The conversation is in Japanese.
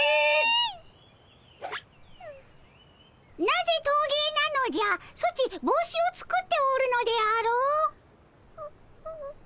なぜトーゲーなのじゃソチ帽子を作っておるのであろう？